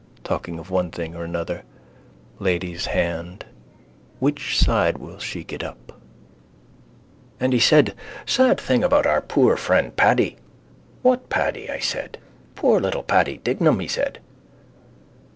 Talking of one thing or another. Lady's hand. Which side will she get up? —And he said: Sad thing about our poor friend Paddy! What Paddy? I said. Poor little Paddy Dignam, he said.